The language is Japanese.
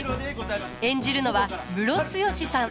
演じるのはムロツヨシさん。